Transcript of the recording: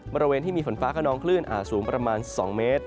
บริเวณที่มีฝนฟ้าขนองคลื่นอาจสูงประมาณ๒เมตร